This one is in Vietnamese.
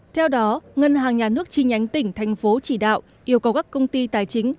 theo đó ngân hàng nhà nước chi nhánh tỉnh thành phố chỉ đạo yêu cầu các công ty tài chính